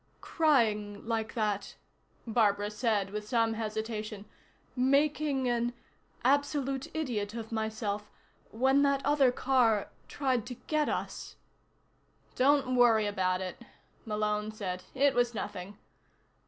"Crying like that," Barbara said with some hesitation. "Making an absolute idiot of myself. When that other car tried to get us." "Don't worry about it," Malone said. "It was nothing."